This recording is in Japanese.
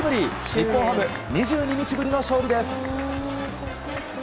日本ハム、２２日ぶりの勝利です。